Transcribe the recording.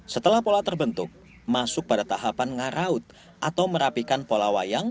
setelah pola terbentuk masuk pada tahapan ngaraut atau merapikan pola wayang